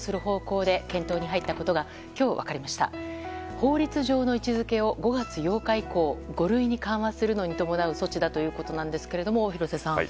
法律上の位置付けを５月８日以降５類に緩和するのに伴う措置だということなんですが廣瀬さん。